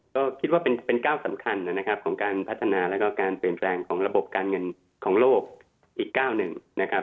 ก็คิดว่าเป็นก้าวสำคัญนะครับของการพัฒนาแล้วก็การเปลี่ยนแปลงของระบบการเงินของโลกอีกก้าวหนึ่งนะครับ